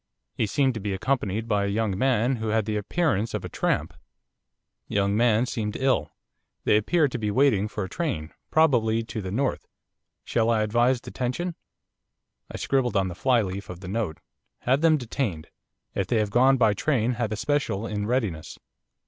He seemed to be accompanied by a young man who had the appearance of a tramp. Young man seemed ill. They appeared to be waiting for a train, probably to the North. Shall I advise detention?' I scribbled on the flyleaf of the note. 'Have them detained. If they have gone by train have a special in readiness.